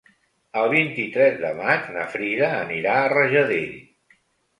El vint-i-tres de maig na Frida anirà a Rajadell.